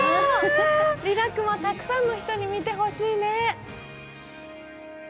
リラックマ、たくさんの人に見てほしいね。